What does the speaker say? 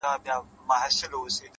• ما پر سترګو د ټولواک امر منلی,